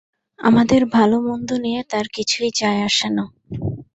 আমাদের ভাল-মন্দ নিয়ে তার কিছুই যায় আসেনা।